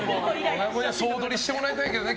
総取りしてもらいたいけどね。